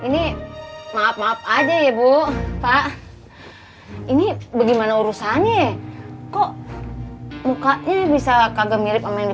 ini maaf maaf aja ya bu pak ini bagaimana urusannya kok mukanya bisa kagak mirip sama yang